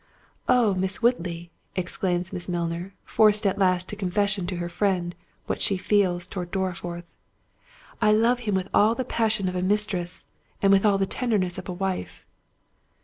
"Oh, Miss Woodley!" exclaims Miss Milner, forced at last to confess to her friend what she feels towards Dorriforth, "I love him with all the passion of a mistress, and with all the tenderness of a wife."